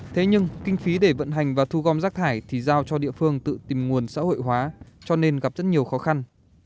thế nhưng kinh phí để vận hành và thu gom rác thải thì giao cho địa phương tự tìm nguồn xã hội hóa cho nên gặp rất nhiều khó khăn